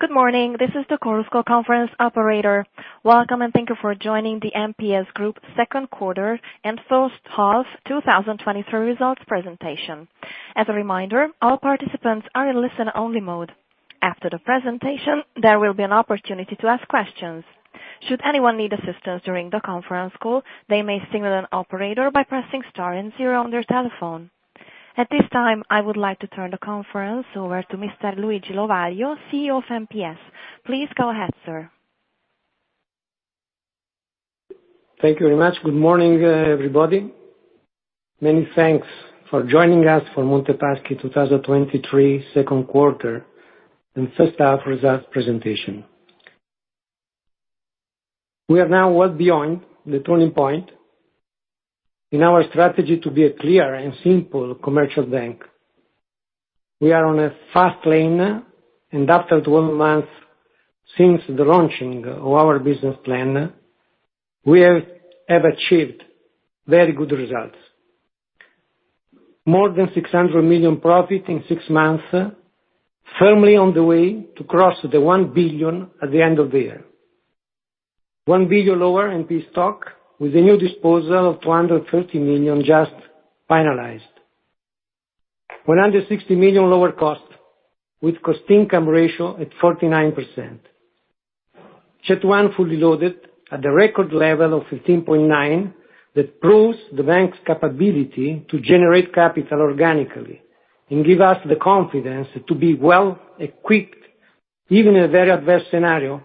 Good morning, this is the Chorus Call Conference operator. Welcome, and thank you for joining the MPS Group second quarter and first half 2023 results presentation. As a reminder, all participants are in listen-only mode. After the presentation, there will be an opportunity to ask questions. Should anyone need assistance during the conference call, they may signal an operator by pressing star and zero on their telephone. At this time, I would like to turn the conference over to Mr. Luigi Lovaglio, CEO of MPS. Please go ahead, sir. Thank you very much. Good morning, everybody. Many thanks for joining us for Monte Paschi 2023 second quarter and first half results presentation. We are now well beyond the turning point in our strategy to be a clear and simple commercial bank. We are on a fast lane. After 12 months since the launching of our business plan, we have achieved very good results. More than 600 million profit in 6 months, firmly on the way to cross 1 billion at the end of the year. 1 billion lower in NPE stock, with a new disposal of 250 million just finalized. 160 million lower cost, with cost-income ratio at 49%. CET1 fully loaded at the record level of 15.9%, that proves the bank's capability to generate capital organically and give us the confidence to be well-equipped, even in a very adverse scenario,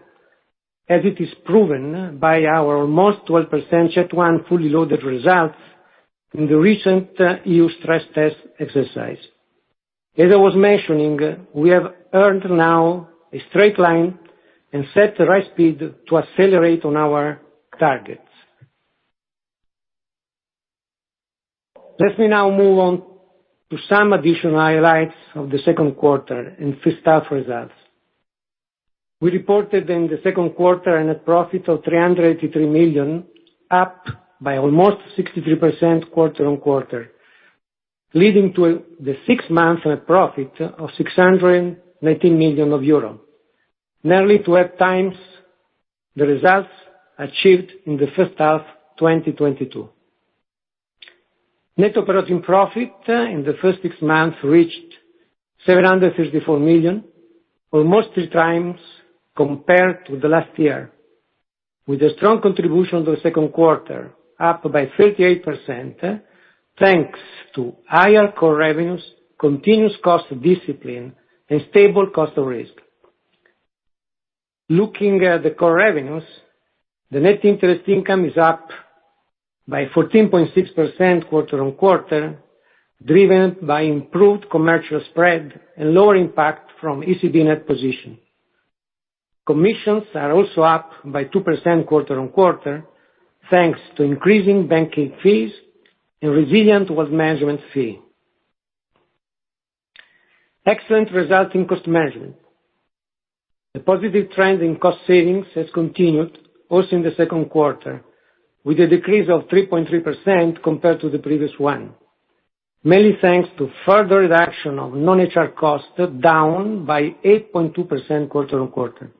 as it is proven by our almost 12% CET1 fully loaded results in the recent EU stress test exercise. As I was mentioning, we have earned now a straight line and set the right speed to accelerate on our targets. Let me now move on to some additional highlights of the second quarter and first half results. We reported in the second quarter a net profit of 383 million, up by almost 63% quarter-on-quarter, leading to the six months net profit of 619 million euro. Nearly 12 times the results achieved in the first half 2022. Net operating profit in the first six months reached 734 million, almost 3 times compared to the last year, with a strong contribution to the second quarter, up by 38%, thanks to higher core revenues, continuous cost discipline, and stable cost of risk. Looking at the core revenues, the net interest income is up by 14.6% quarter-on-quarter, driven by improved commercial spread and lower impact from ECB net position. Commissions are also up by 2% quarter-on-quarter, thanks to increasing banking fees and resilient wealth management fee. Excellent results in cost management. The positive trend in cost savings has continued also in the second quarter, with a decrease of 3.3% compared to the previous one, mainly thanks to further reduction of non-HR costs, down by 8.2% quarter-on-quarter.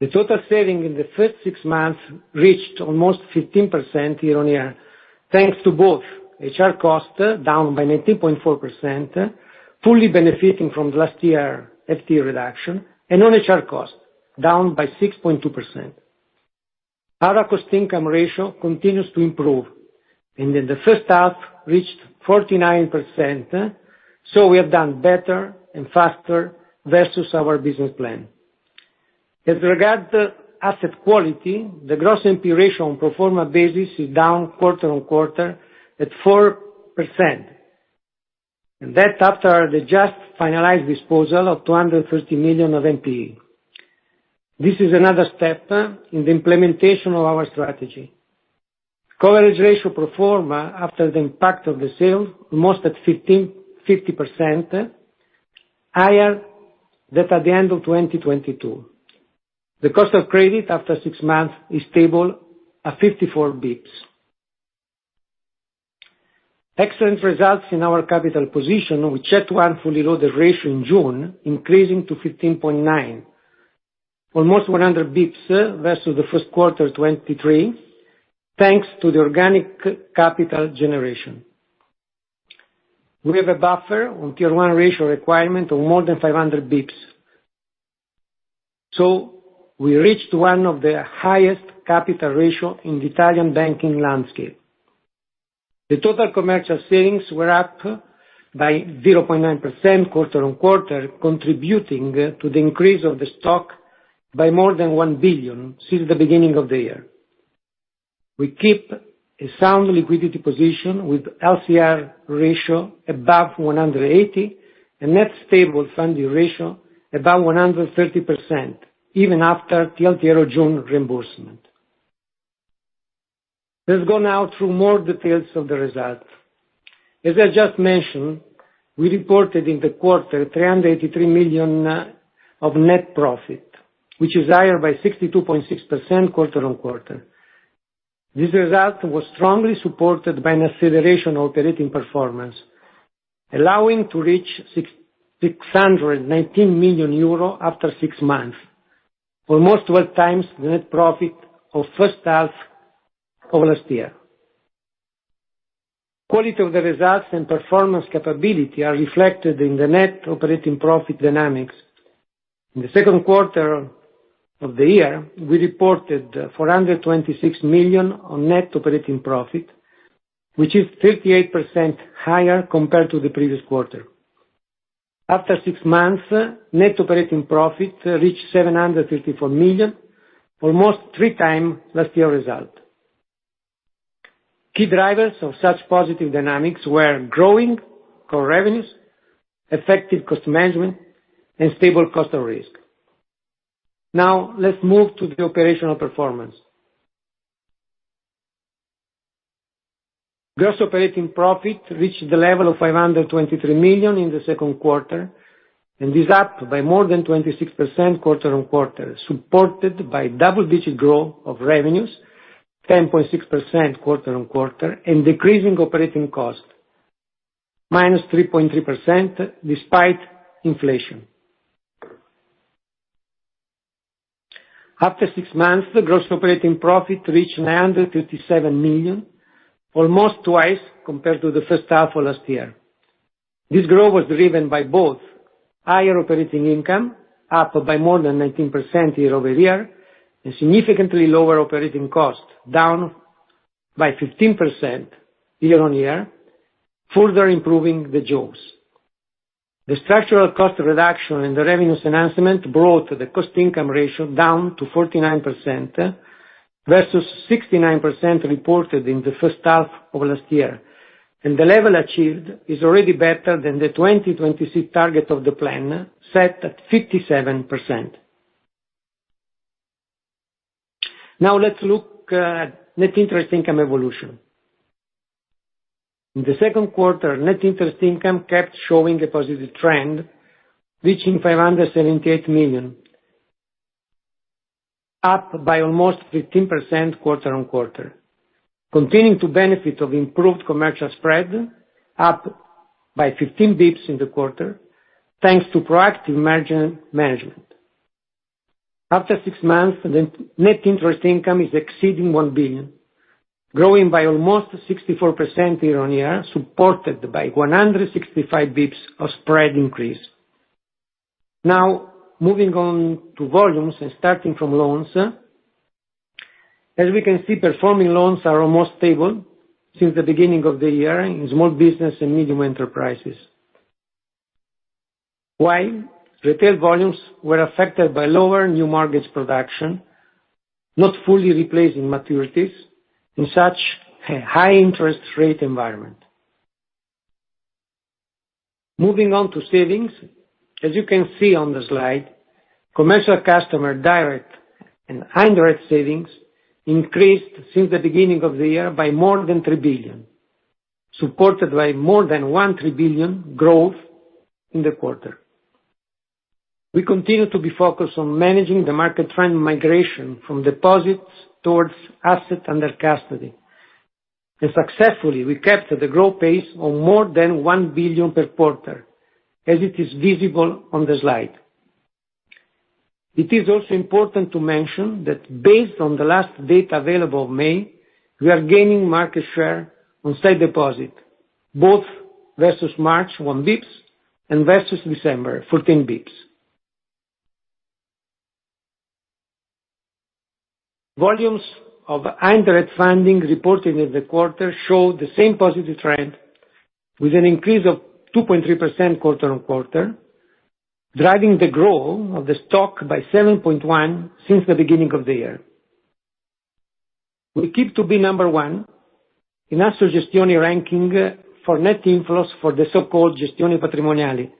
The total saving in the first six months reached almost 15% year on year, thanks to both HR costs, down by 19.4%, fully benefiting from last year FTE reduction, and non-HR costs, down by 6.2%. Our cost-income ratio continues to improve, and in the first half, reached 49%, so we have done better and faster versus our business plan. As regard to asset quality, the gross NPE ratio on pro forma basis is down quarter on quarter at 4%, and that's after the just finalized disposal of 250 million of NPE. This is another step in the implementation of our strategy. Coverage ratio pro forma, after the impact of the sale, almost at 50%, higher than at the end of 2022. The cost of credit after six months is stable at 54 bps. Excellent results in our capital position, with CET1 fully loaded ratio in June, increasing to 15.9. Almost 100 basis points versus the first quarter 2023, thanks to the organic capital generation. We have a buffer on Tier 1 ratio requirement of more than 500 basis points. We reached one of the highest capital ratio in the Italian banking landscape. The total commercial savings were up by 0.9% quarter-on-quarter, contributing to the increase of the stock by more than 1 billion since the beginning of the year. We keep a sound liquidity position with LCR ratio above 180, and net stable funding ratio above 130%, even after TLTRO June reimbursement. Let's go now through more details of the result. As I just mentioned, we reported in the quarter 383 million of net profit, which is higher by 62.6% quarter-on-quarter. This result was strongly supported by an acceleration operating performance, allowing to reach 619 million euro after six months, almost 12 times the net profit of first half of last year. Quality of the results and performance capability are reflected in the net operating profit dynamics. In the second quarter of the year, we reported 426 million on net operating profit, which is 38% higher compared to the previous quarter. After six months, net operating profit reached 754 million, almost 3 times last year's result. Key drivers of such positive dynamics were growing core revenues, effective cost management, and stable cost of risk. Now, let's move to the operational performance. Gross operating profit reached the level of 523 million in the second quarter, and is up by more than 26% quarter-on-quarter, supported by double-digit growth of revenues, 10.6% quarter-on-quarter, and decreasing operating costs, -3.3%, despite inflation. After six months, the gross operating profit reached 957 million, almost twice compared to the first half of last year. This growth was driven by both higher operating income, up by more than 19% year-over-year, and significantly lower operating costs, down by 15% year-on-year, further improving the KPIs. The structural cost reduction and the revenues enhancement brought the cost-income ratio down to 49%, versus 69% reported in the first half of last year, and the level achieved is already better than the 2026 target of the plan, set at 57%. Now, let's look at net interest income evolution. In the second quarter, net interest income kept showing a positive trend, reaching 578 million, up by almost 15% quarter-on-quarter, continuing to benefit of improved commercial spread, up by 15 bps in the quarter, thanks to proactive margin management. After 6 months, the net interest income is exceeding 1 billion, growing by almost 64% year-on-year, supported by 165 bps of spread increase. Now, moving on to volumes and starting from loans. As we can see, performing loans are almost stable since the beginning of the year in small business and medium enterprises. While retail volumes were affected by lower new mortgage production, not fully replacing maturities in such a high interest rate environment. Moving on to savings. As you can see on the slide, commercial customer direct and indirect savings increased since the beginning of the year by more than 3 billion, supported by more than 1 trillion growth in the quarter. We continue to be focused on managing the market trend migration from deposits towards assets under custody, and successfully, we kept the growth pace on more than 1 billion per quarter, as it is visible on the slide. It is also important to mention that based on the last data available of May, we are gaining market share on sight deposit, both versus March, 1 basis point, and versus December, 14 basis points. Volumes of indirect funding reported in the quarter showed the same positive trend, with an increase of 2.3% quarter-on-quarter, driving the growth of the stock by 7.1% since the beginning of the year. We keep to be number one in Asset Gestione ranking for net inflows for the so-called Gestioni Patrimoniali,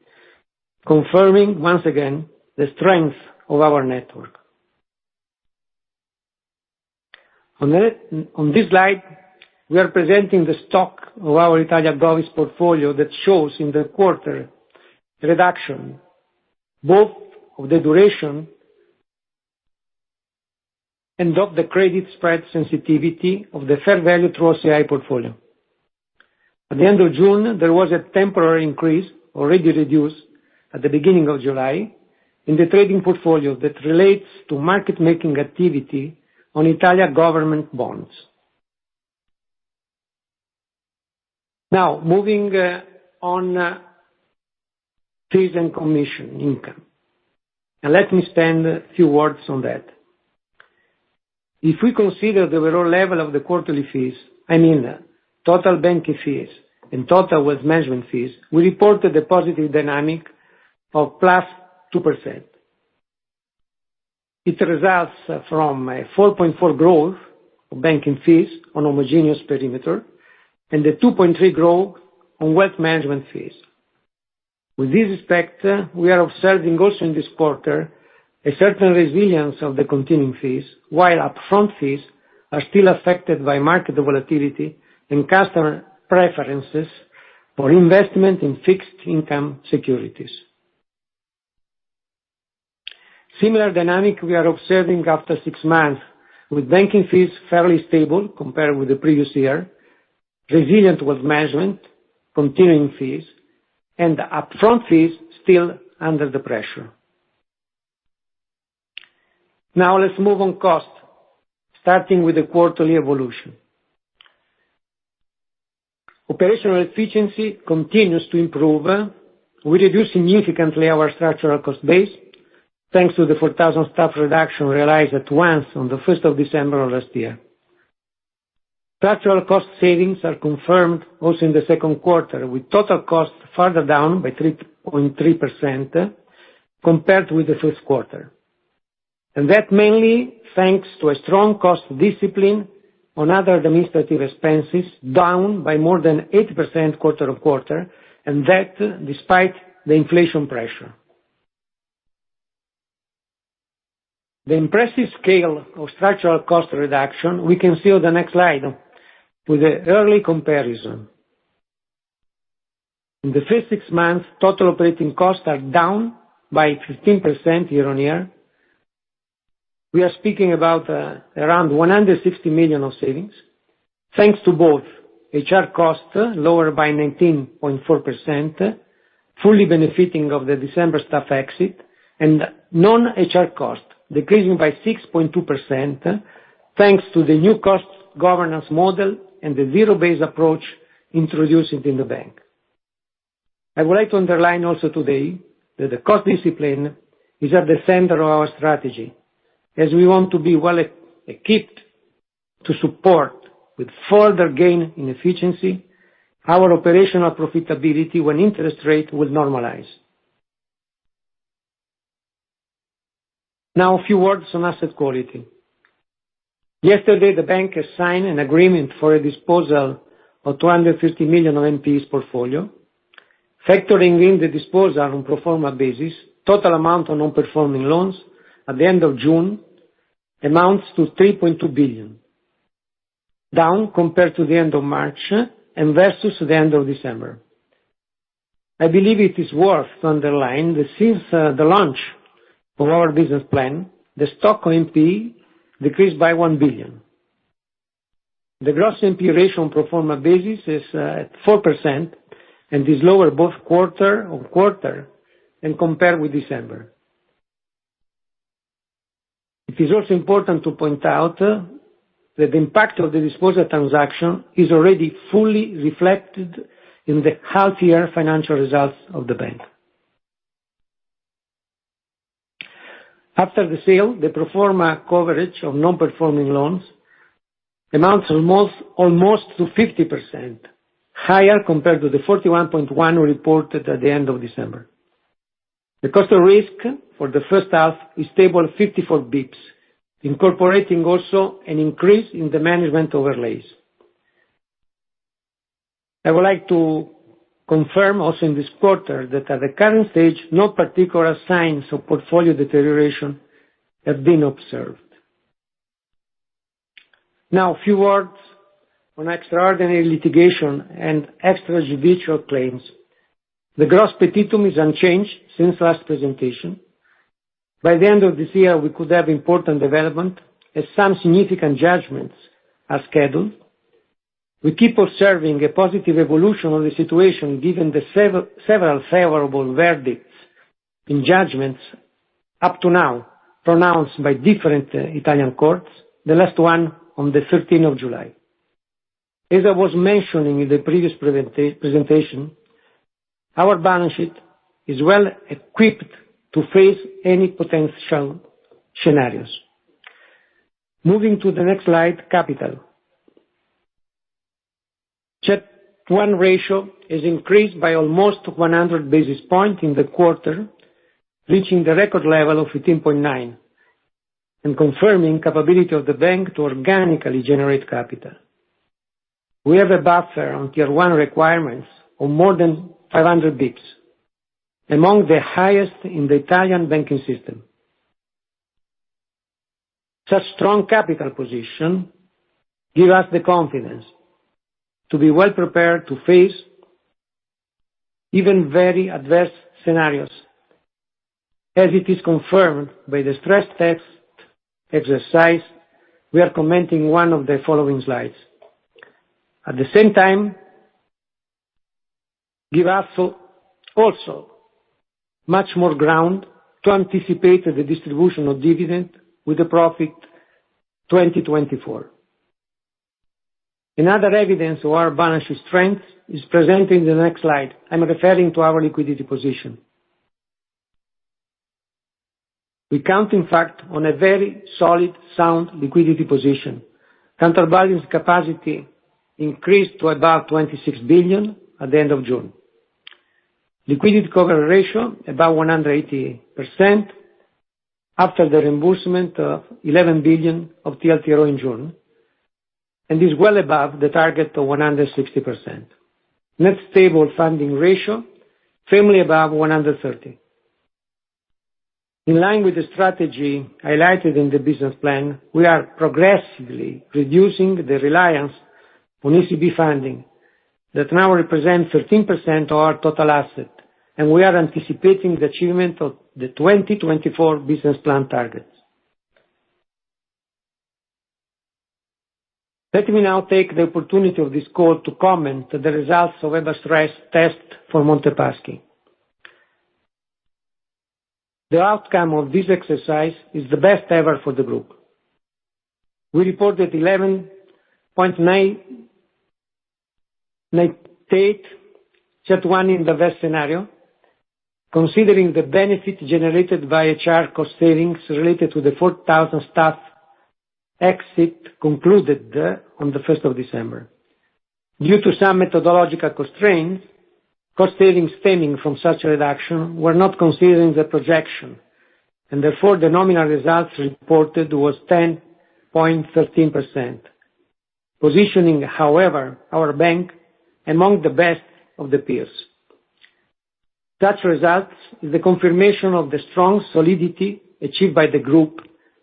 confirming once again the strength of our network. On this slide, we are presenting the stock of our Italian bonds portfolio that shows in the quarter a reduction, both of the duration and of the credit spread sensitivity of the fair value through OCI portfolio. At the end of June, there was a temporary increase, already reduced at the beginning of July, in the trading portfolio that relates to market making activity on Italian government bonds. Now, moving on fees and commission income, let me spend a few words on that. If we consider the overall level of the quarterly fees, I mean, total banking fees and total wealth management fees, we reported a positive dynamic of +2%. It results from a 4.4 growth of banking fees on homogeneous perimeter and a 2.3 growth on wealth management fees. With this respect, we are observing also in this quarter, a certain resilience of the continuing fees, while upfront fees are still affected by market volatility and customer preferences for investment in fixed income securities. Similar dynamic we are observing after 6 months, with banking fees fairly stable compared with the previous year, resilient with management, continuing fees, and the upfront fees still under the pressure. Now let's move on cost, starting with the quarterly evolution. Operational efficiency continues to improve. We reduce significantly our structural cost base, thanks to the 4,000 staff reduction realized at once on the first of December of last year. Structural cost savings are confirmed also in the second quarter, with total costs further down by 3.3%, compared with the first quarter. That mainly thanks to a strong cost discipline on other administrative expenses, down by more than 8% quarter-on-quarter, that despite the inflation pressure. The impressive scale of structural cost reduction, we can see on the next slide, with an early comparison. In the first 6 months, total operating costs are down by 15% year-on-year. We are speaking about around 160 million of savings, thanks to both HR costs lower by 19.4%, fully benefiting of the December staff exit, and non-HR costs, decreasing by 6.2%, thanks to the new cost governance model and the zero-based approach introduced in the bank. I would like to underline also today that the cost discipline is at the center of our strategy, as we want to be well equipped to support with further gain in efficiency, our operational profitability when interest rate will normalize. Now, a few words on asset quality. Yesterday, the bank has signed an agreement for a disposal of 250 million of NPEs portfolio. Factoring in the disposal on pro forma basis, total amount on non-performing loans at the end of June amounts to 3.2 billion, down compared to the end of March and versus the end of December. I believe it is worth to underline that since the launch of our business plan, the stock NPE decreased by 1 billion. The gross NPE ratio on pro forma basis is at 4% and is lower both quarter-on-quarter and compared with December. It is also important to point out that the impact of the disposal transaction is already fully reflected in the healthier financial results of the bank. After the sale, the pro forma coverage of non-performing loans amounts almost, almost to 50%, higher compared to the 41.1% reported at the end of December. The cost of risk for the first half is stable 54 basis points, incorporating also an increase in the management overlays. I would like to confirm also in this quarter that at the current stage, no particular signs of portfolio deterioration have been observed. A few words on extraordinary litigation and extrajudicial claims. The gross petitum is unchanged since last presentation. By the end of this year, we could have important development, as some significant judgments are scheduled. We keep observing a positive evolution of the situation, given several favorable verdicts in judgments up to now pronounced by different Italian courts, the last one on the thirteenth of July. As I was mentioning in the previous presentation, our balance sheet is well equipped to face any potential scenarios. Moving to the next slide, capital. CET1 ratio is increased by almost 100 basis points in the quarter, reaching the record level of 15.9, confirming capability of the bank to organically generate capital. We have a buffer on Tier 1 requirements of more than 500 basis points, among the highest in the Italian banking system. Such strong capital position give us the confidence to be well prepared to face even very adverse scenarios, as it is confirmed by the stress test exercise, we are commenting one of the following slides. At the same time, give us also much more ground to anticipate the distribution of dividend with the profit 2024. Another evidence of our balance sheet strength is presenting the next slide. I'm referring to our liquidity position. We count, in fact, on a very solid, sound liquidity position. Counterbalancing capacity increased to about 26 billion at the end of June. Liquidity Coverage Ratio, about 180% after the reimbursement of 11 billion of TLTRO in June, and is well above the target of 160%. net stable funding ratio, firmly above 130%. In line with the strategy highlighted in the business plan, we are progressively reducing the reliance on ECB funding, that now represents 13% of our total asset, and we are anticipating the achievement of the 2024 business plan targets. Let me now take the opportunity of this call to comment on the results of EBA stress test for Monte Paschi. The outcome of this exercise is the best ever for the group. We reported 11.998% CET1 in the best scenario, considering the benefit generated by HR cost savings related to the 4,000 staff exit concluded on the first of December. Due to some methodological constraints, cost savings stemming from such a reduction were not considering the projection, and therefore the nominal results reported was 10.13%. Positioning, however, our bank among the best of the peers. Such results is the confirmation of the strong solidity achieved by the group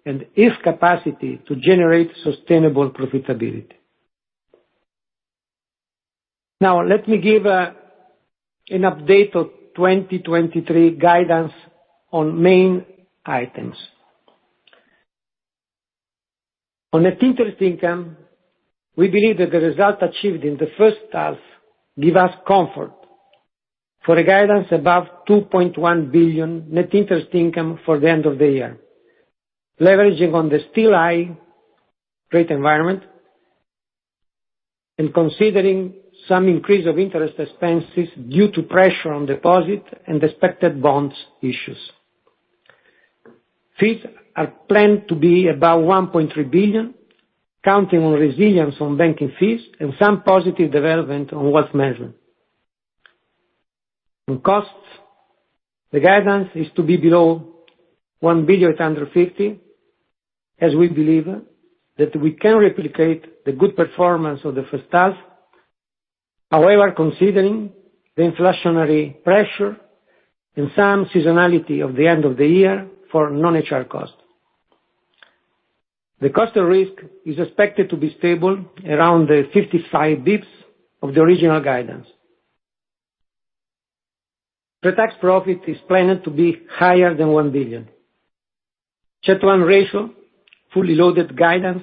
and its capacity to generate sustainable profitability. Now, let me give an update of 2023 guidance on main items. On net interest income, we believe that the result achieved in the first half give us comfort for a guidance above 2.1 billion net interest income for the end of the year, leveraging on the still high rate environment and considering some increase of interest expenses due to pressure on deposit and expected bonds issues. Fees are planned to be about 1.3 billion, counting on resilience on banking fees and some positive development on wealth management. On costs, the guidance is to be below 1.85 billion, as we believe that we can replicate the good performance of the first half. Considering the inflationary pressure and some seasonality of the end of the year for non-HR costs. The cost of risk is expected to be stable around the 55 basis points of the original guidance. Pre-tax profit is planned to be higher than 1 billion. CET1 ratio, fully loaded guidance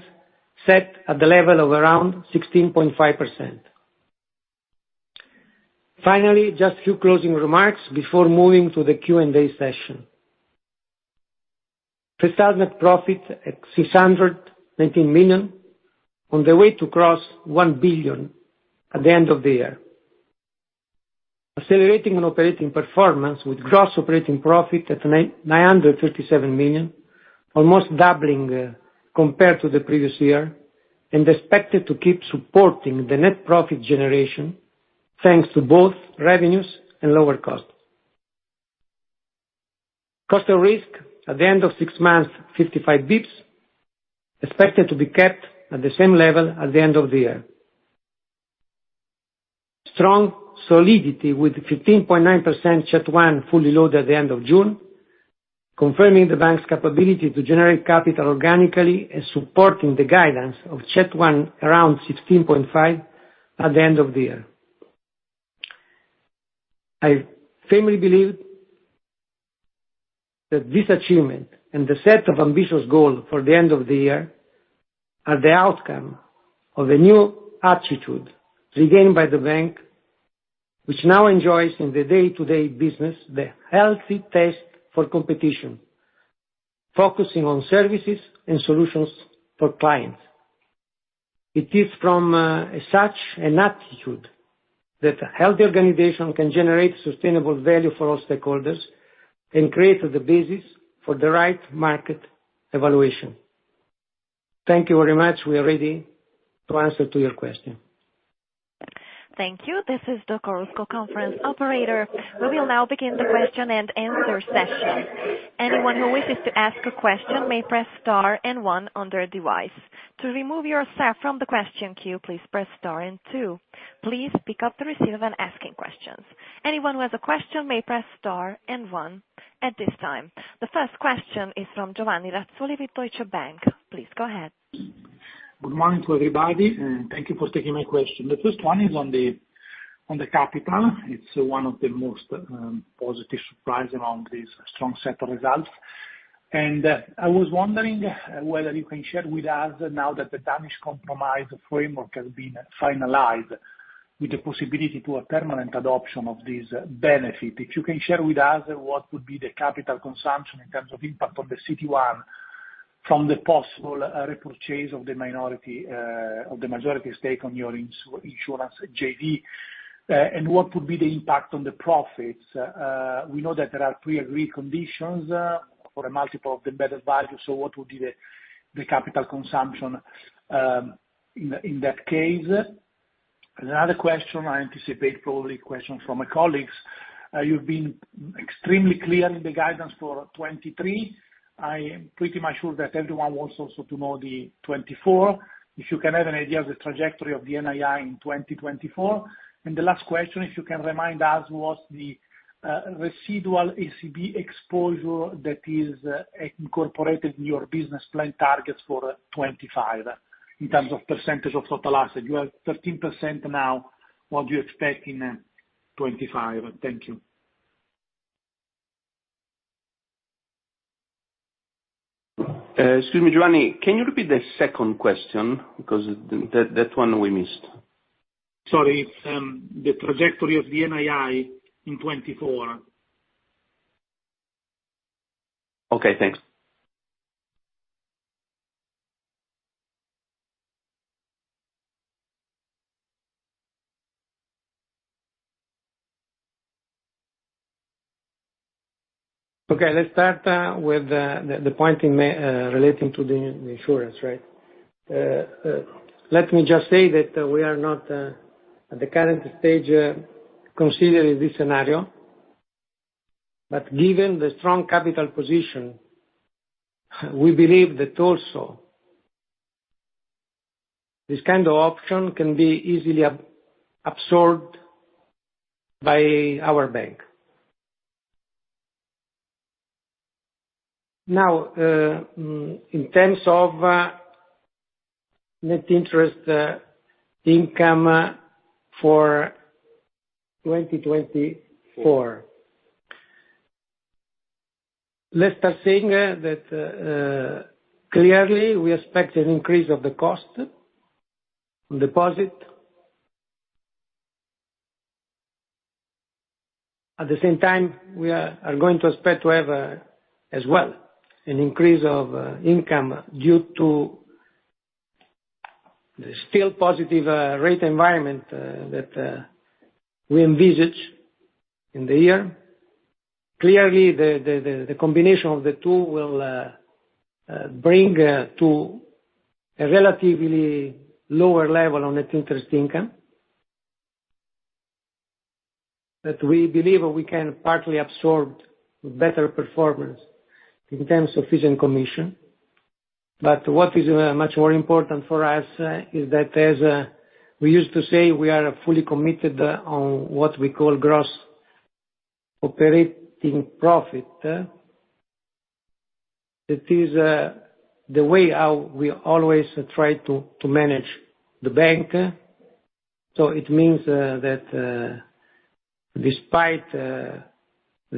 set at the level of around 16.5%. Just a few closing remarks before moving to the Q&A session. Pre-tax net profit at 619 million, on the way to cross 1 billion at the end of the year. Accelerating on operating performance with gross operating profit at 957 million, almost doubling compared to the previous year, and expected to keep supporting the net profit generation, thanks to both revenues and lower costs. Cost of risk at the end of 6 months, 55 bps, expected to be kept at the same level at the end of the year. Strong solidity with 15.9% CET1, fully loaded at the end of June, confirming the bank's capability to generate capital organically and supporting the guidance of CET1 around 16.5% at the end of the year. I firmly believe that this achievement and the set of ambitious goals for the end of the year are the outcome of a new attitude regained by the bank, which now enjoys in the day-to-day business, the healthy taste for competition, focusing on services and solutions for clients. It is from such an attitude that a healthy organization can generate sustainable value for all stakeholders and create the basis for the right market evaluation. Thank you very much. We are ready to answer to your question. Thank you. This is the Chorus Call Conference operator. We will now begin the question-and-answer session. Anyone who wishes to ask a question may press star and one on their device. To remove yourself from the question queue, please press star and two. Please pick up the receiver when asking questions. Anyone who has a question may press star and one at this time. The first question is from Giovanni Razzoli with Deutsche Bank. Please go ahead. Good morning to everybody, and thank you for taking my question. The first one is on the, on the capital. It's one of the most, positive surprise around this strong set of results. I was wondering whether you can share with us now that the Danish Compromise framework has been finalized with the possibility to a permanent adoption of this benefit. If you can share with us what would be the capital consumption in terms of impact on the CET1 from the possible, repurchase of the minority, of the majority stake on your insurance JV, and what would be the impact on the profits? We know that there are pre-agreed conditions, for a multiple of the better value, so what would be the, the capital consumption, in, in that case? Another question I anticipate, probably a question from my colleagues. You've been extremely clear in the guidance for 2023. I am pretty much sure that everyone wants also to know the 2024, if you can have an idea of the trajectory of the NII in 2024. The last question, if you can remind us what the residual ECB exposure that is incorporated in your business plan targets for 2025, in terms of percentage of total assets. You are 13% now, what do you expect in 2025? Thank you. ... excuse me, Giovanni, can you repeat the second question? Because that, that one we missed. Sorry, it's, the trajectory of the NII in 2024. Okay, thanks. Okay, let's start with the point in May relating to the insurance, right? Let me just say that we are not at the current stage considering this scenario, but given the strong capital position, we believe that also this kind of option can be easily absorbed by our bank. Now, in terms of net interest income for 2024, let's start saying that clearly we expect an increase of the cost on deposit. At the same time, we are going to expect to have, as well, an increase of income due to the still positive rate environment that we envisage in the year. Clearly, the combination of the two will bring to a relatively lower level on net interest income. That we believe we can partly absorb better performance in terms of fees commission. What is much more important for us is that as we used to say, we are fully committed on what we call gross operating profit. It is the way how we always try to manage the bank. It means that despite the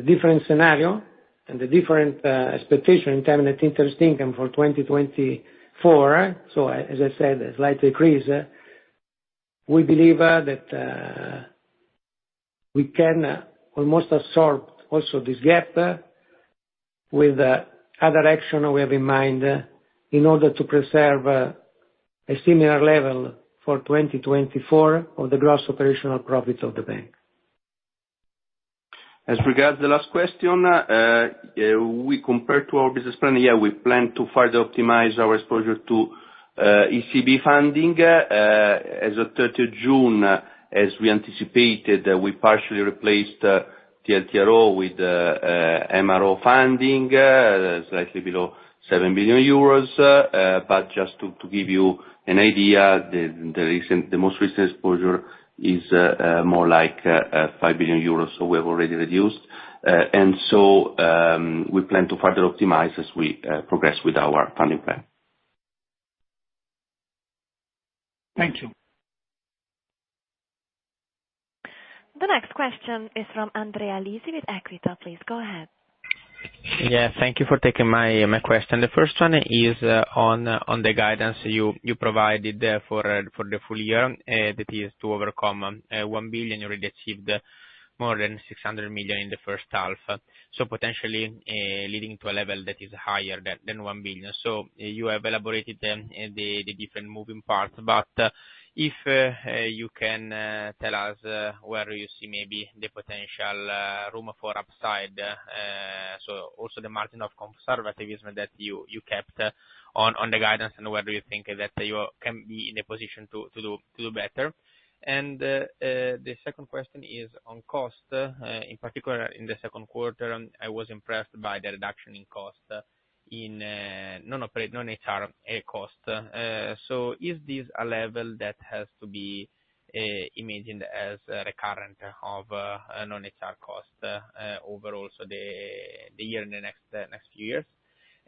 different scenario and the different expectation in terms of net interest income for 2024, as, as I said, a slight decrease, we believe that we can almost absorb also this gap, with other action we have in mind, in order to preserve a similar level for 2024 of the gross operational profits of the bank. As regards the last question, we compare to our business plan, yeah, we plan to further optimize our exposure to ECB funding. As of 30 June, as we anticipated, we partially replaced TLTRO with MRO funding, slightly below 7 billion euros. Just to, to give you an idea, the, the recent, the most recent exposure is more like 5 billion euros, so we have already reduced. We plan to further optimize as we progress with our funding plan. Thank you. The next question is from Andrea Lisi with Equita. Please, go ahead. Yeah, thank thank you for taking my, my question. The first one is on, on the guidance you, you provided there for, for the full year, that is to overcome 1 billion. You already achieved more than 600 million in the first half, potentially leading to a level that is higher than, than 1 billion. You have elaborated then, the, the different moving parts, if you can tell us where you see maybe the potential room for upside, also the margin of conservatism that you, you kept on, on the guidance, whether you think that you can be in a position to, to do, to do better. The second question is on cost. In particular, in the second quarter, I was impressed by the reduction in cost in non-HR cost. So is this a level that has to be imagined as recurrent of non-HR costs overall, so the year in the next years?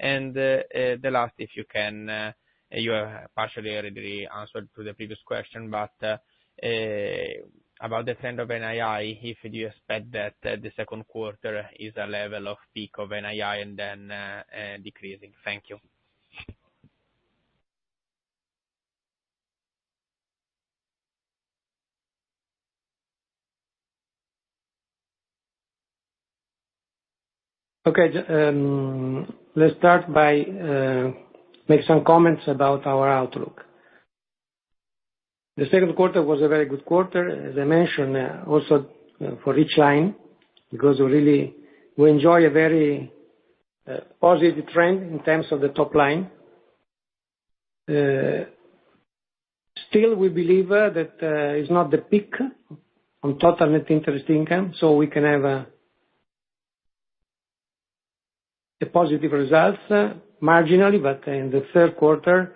The last, if you can, you have partially already answered to the previous question, but about the trend of NII, if you expect that the second quarter is a level of peak of NII and then decreasing. Thank you. Okay, let's start by make some comments about our outlook. The second quarter was a very good quarter, as I mentioned, also for each line, because really we enjoy a very positive trend in terms of the top line. Still, we believe that it's not the peak on total net interest income, so we can have the positive results, marginally, but in the third quarter,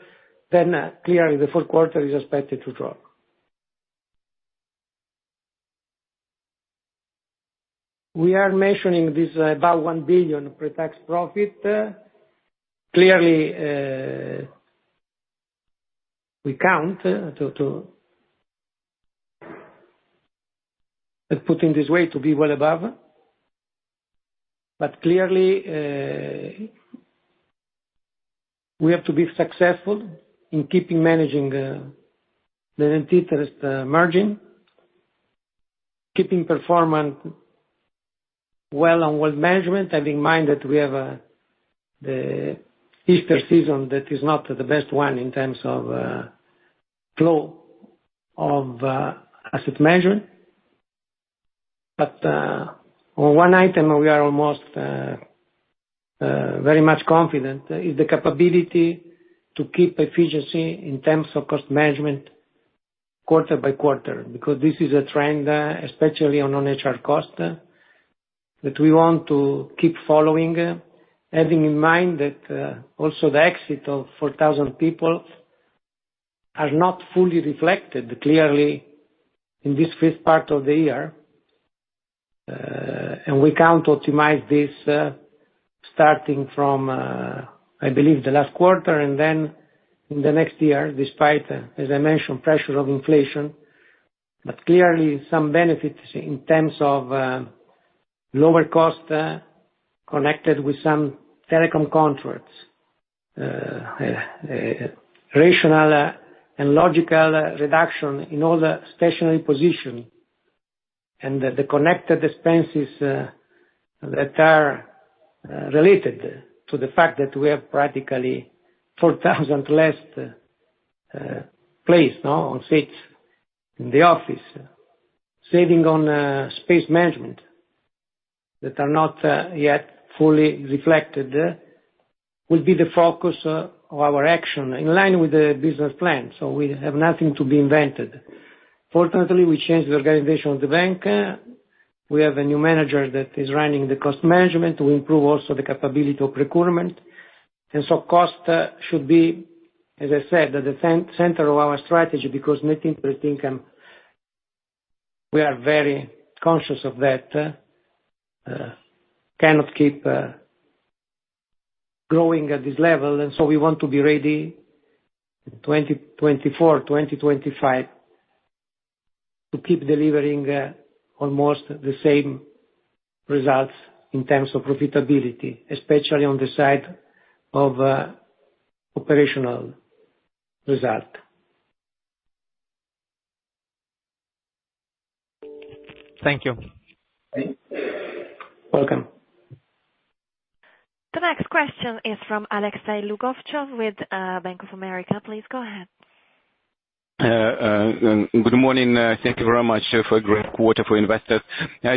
then, clearly the fourth quarter is expected to drop. We are mentioning this about 1 billion pre-tax profit. Clearly, we count to, to-... But putting this way to be well above. Clearly, we have to be successful in keeping managing the net interest margin, keeping performance well on well management. Have in mind that we have the Easter season that is not the best one in terms of flow of asset management. On one item, we are almost very much confident, is the capability to keep efficiency in terms of cost management quarter by quarter, because this is a trend, especially on non-HR cost, that we want to keep following. Having in mind that also the exit of 4,000 people are not fully reflected clearly in this first part of the year, and we count optimize this, starting from, I believe, the last quarter, and then in the next year, despite, as I mentioned, pressure of inflation. Clearly some benefits in terms of lower cost connected with some telecom contracts, a rational and logical reduction in all the stationary position and the connected expenses that are related to the fact that we have practically 4,000 less place on seats in the office. Saving on space management that are not yet fully reflected, will be the focus of our action in line with the business plan, so we have nothing to be invented. Fortunately, we changed the organization of the bank. We have a new manager that is running the cost management to improve also the capability of procurement. Cost should be, as I said, at the center of our strategy, because net interest income, we are very conscious of that, cannot keep growing at this level, and so we want to be ready in 2024, 2025, to keep delivering almost the same results in terms of profitability, especially on the side of operational result. Thank you. Welcome. The next question is from Alexei Lougovtsov, with, Bank of America. Please go ahead. Good morning. Thank you very much for a great quarter for investors.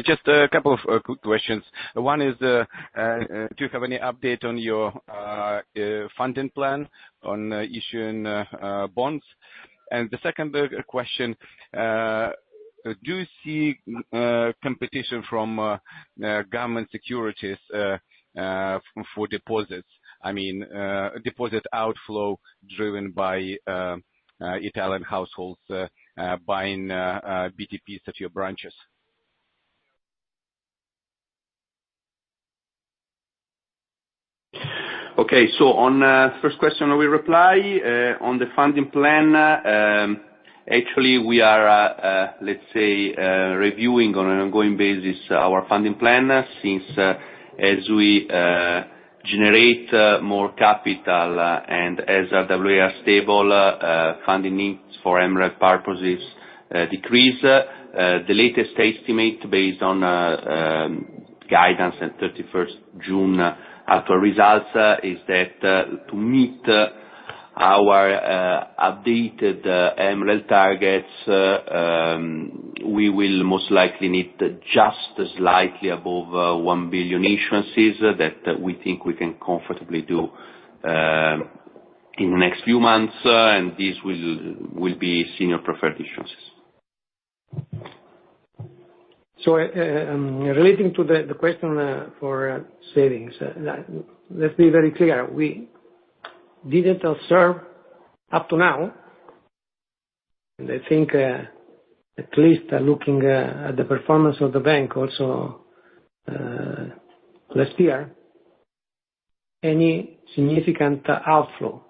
Just a couple of quick questions. One is, do you have any update on your funding plan on issuing bonds? The second question, do you see competition from government securities for deposits? I mean, deposit outflow driven by Italian households buying BTPs at your branches. Okay. On first question, we reply on the funding plan, actually, we are reviewing on an ongoing basis our funding plan, since as we generate more capital, and as a overall stable funding needs for MREL purposes decrease. The latest estimate based on guidance at thirty-first June after results is that to meet our updated MREL targets, we will most likely need just slightly above 1 billion issuances that we think we can comfortably do in the next few months, and this will be senior preferred issuances. Relating to the question for savings, let's be very clear, we didn't observe up to now, and I think at least looking at the performance of the bank also last year, any significant outflow,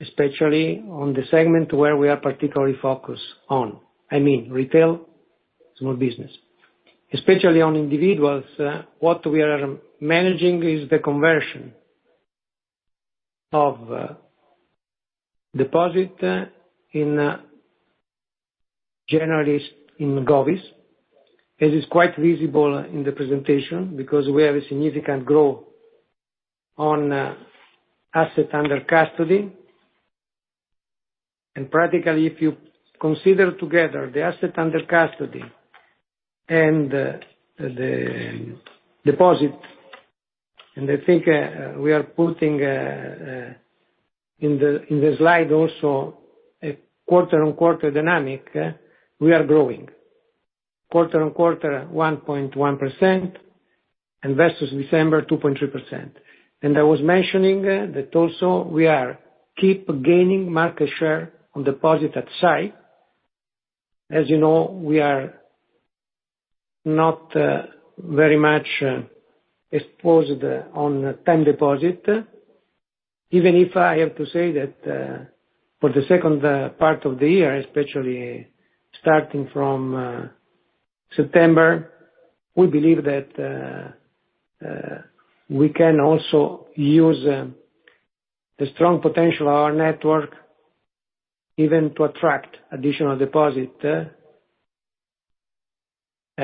especially on the segment where we are particularly focused on, I mean, retail, small business. Especially on individuals, what we are managing is the conversion of deposit in generally in Govies. It is quite visible in the presentation because we have a significant growth on assets under custody. Practically, if you consider together the assets under custody and the deposit, and I think we are putting in the slide also a quarter-over-quarter dynamic, we are growing. Quarter-over-quarter, 1.1%, and versus December, 2.3%. I was mentioning that also we are keep gaining market share on sight deposit. As you know, we are not very much exposed on time deposit. Even if I have to say that for the second part of the year, especially starting from September, we believe that we can also use the strong potential of our network even to attract additional deposit. I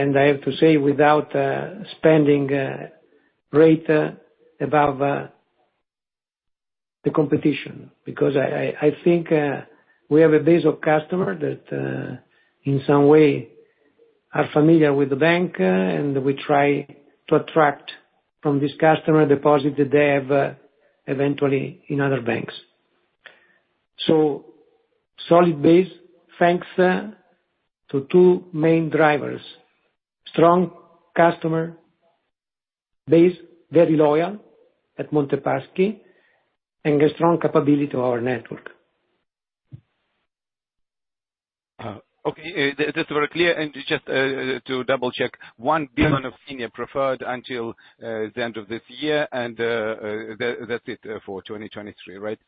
have to say, without spending rate above the competition, because I, I, I think we have a base of customer that in some way are familiar with the bank, and we try to attract from this customer deposit that they have eventually in other banks. Solid base, thanks to two main drivers: strong customer base, very loyal at Monte Paschi, and a strong capability of our network. Okay. That's very clear. Just to double check, 1 billion of senior preferred until the end of this year, that, that's it for 2023, right?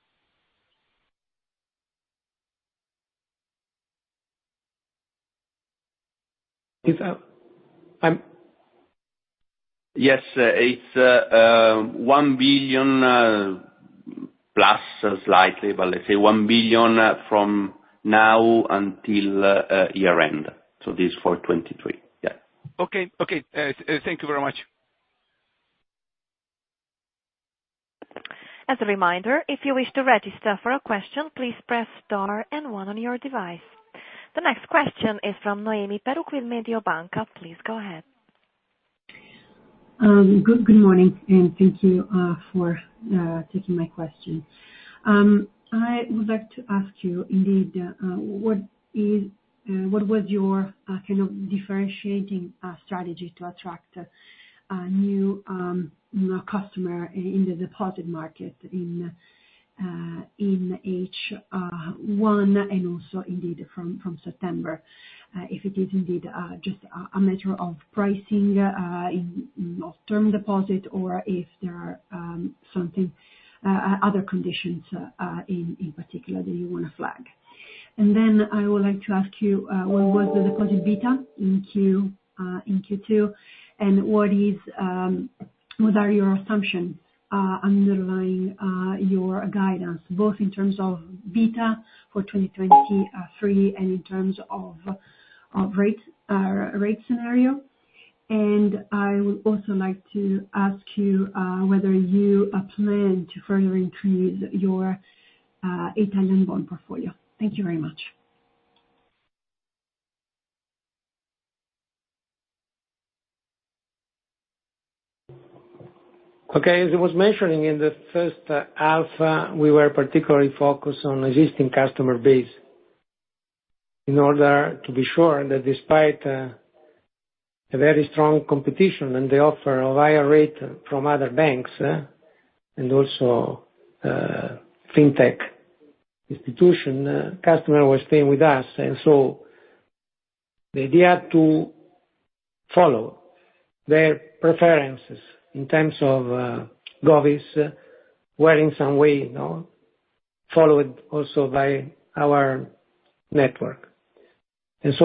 Is that? I'm- Yes. It's 1 billion plus slightly, but let's say 1 billion from now until year end. This is for 2023. Yeah. Okay. Okay. Thank you very much. As a reminder, if you wish to register for a question, please press star and one on your device. The next question is from Noemi Peruch with Mediobanca. Please go ahead. Good morning, and thank you, for taking my question. I would like to ask you indeed, what is, what was your kind of differentiating strategy to attract new customer in the deposit market in H1, and also indeed from September? If it is indeed, just a matter of pricing, in long-term deposit or if there are something, other conditions, in particular that you want to flag. Then I would like to ask you, what was the deposit beta in Q2, and what are your assumptions, underlying your guidance, both in terms of beta for 2023, and in terms of rate, rate scenario? I would also like to ask you, whether you plan to further increase your Italian bond portfolio. Thank you very much. Okay. As I was mentioning in the first half, we were particularly focused on existing customer base in order to be sure that despite a very strong competition and the offer of higher rate from other banks, and also fintech institution, customer was staying with us. The idea to follow their preferences in terms of goals, were in some way, you know, followed also by our network. This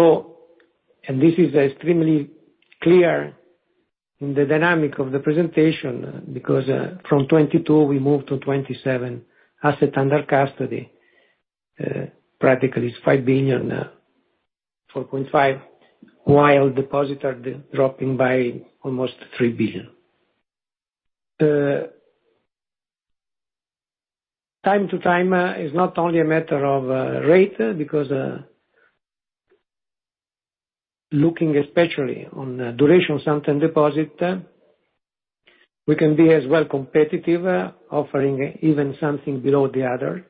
is extremely clear in the dynamic of the presentation, because from 22 we moved to 27 asset under custody. Practically it's 5 billion, 4.5 billion, while deposits are dropping by almost 3 billion. Time to time is not only a matter of rate, because looking especially on duration of some deposit, we can be as well competitive, offering even something below the other.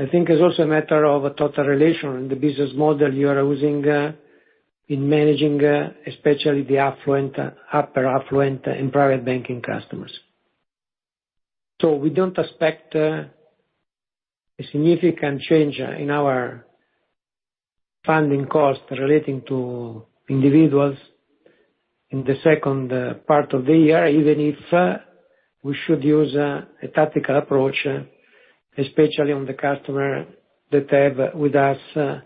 I think it's also a matter of a total relation in the business model you are using, in managing especially the affluent, upper affluent and private banking customers. We don't expect a significant change in our funding cost relating to individuals in the second part of the year, even if we should use a tactical approach, especially on the customer that have with us,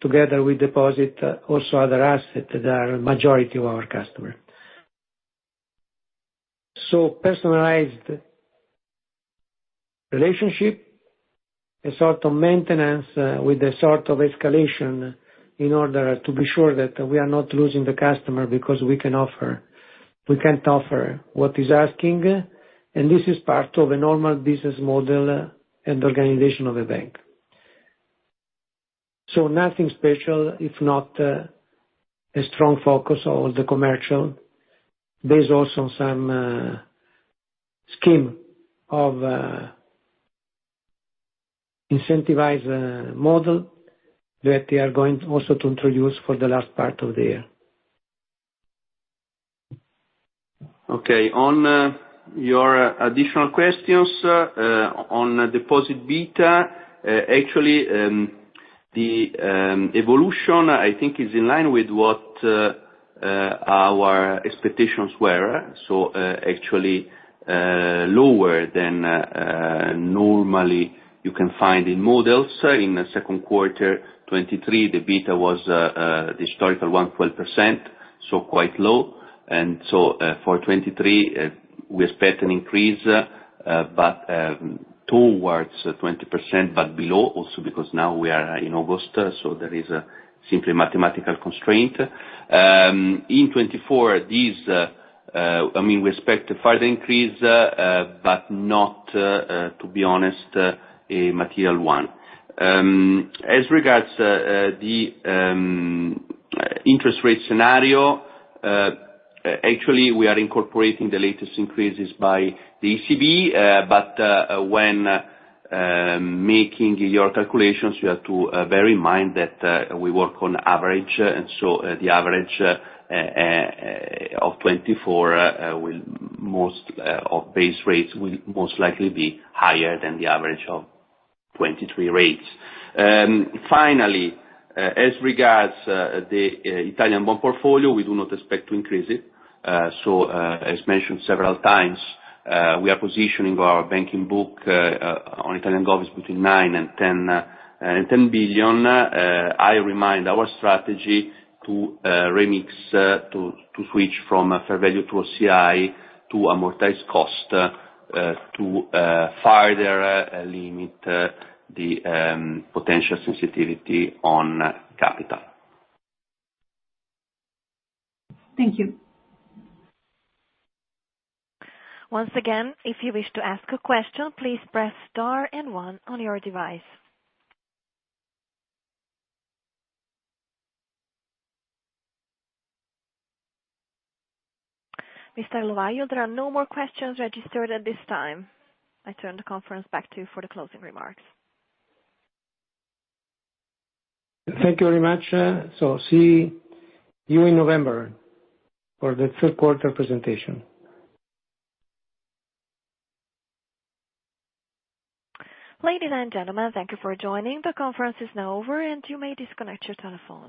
together with deposit, also other assets that are majority of our customer. Personalized relationship, a sort of maintenance, with a sort of escalation in order to be sure that we are not losing the customer because we can offer- we can't offer what is asking, and this is part of a normal business model and organization of a bank. So nothing special, if not, a strong focus on the commercial. There's also some scheme of incentivize model that we are going also to introduce for the last part of the year. Okay, on your additional questions, on deposit beta, actually, the evolution, I think, is in line with what our expectations were. Actually, lower than normally you can find in models. In the second quarter, 2023, the beta was historical 1, 12%, so quite low. For 2023, we expect an increase, but towards 20%, but below also because now we are in August, so there is a simply mathematical constraint. In 2024, these, I mean, we expect a further increase, but not, to be honest, a material one. As regards the interest rate scenario, actually, we are incorporating the latest increases by the ECB. When making your calculations, you have to bear in mind that we work on average, and so the average of 2024 base rates will most likely be higher than the average of 2023 rates. Finally, as regards the Italian bond portfolio, we do not expect to increase it. As mentioned several times, we are positioning our banking book on Italian Govies between 9 billion and 10 billion. I remind our strategy to remix, to switch from a fair value to OCI to amortize cost, to further limit the potential sensitivity on capital. Thank you. Once again, if you wish to ask a question, please press Star and One on your device. Mr. Lovaglio, there are no more questions registered at this time. I turn the conference back to you for the closing remarks. Thank you very much. See you in November for the third quarter presentation. Ladies and gentlemen, thank you for joining. The conference is now over. You may disconnect your telephone.